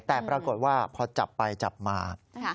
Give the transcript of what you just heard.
แต่ปรากฏว่าพอจับไปจับมา